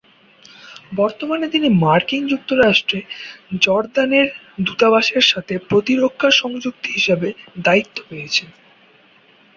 বর্তমানে তিনি মার্কিন যুক্তরাষ্ট্রে জর্দানের দূতাবাসের সাথে প্রতিরক্ষা সংযুক্তি হিসাবে দায়িত্ব পেয়েছেন।